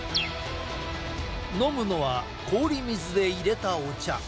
飲むのは氷水でいれたお茶。